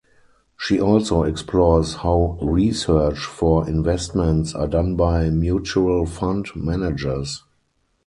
She also explores how research for investments are done by mutual fund managers.